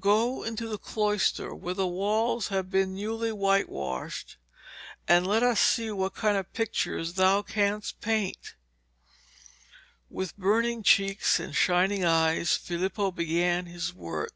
Go into the cloister where the walls have been but newly whitewashed, and let us see what kind of pictures thou canst paint.' With burning cheeks and shining eyes, Filippo began his work.